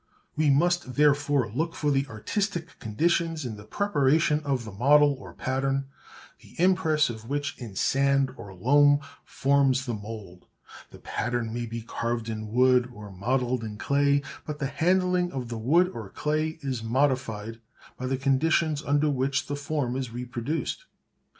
We must therefore look for the artistic conditions in the preparation of the model or pattern, the impress of which in sand or loam forms the mould; the pattern may be carved in wood or modelled in clay, but the handling of the wood or clay is modified by the conditions under which the form is reproduced.